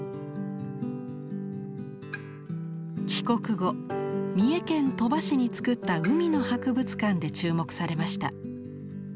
帰国後三重県鳥羽市につくった海の博物館で注目されました。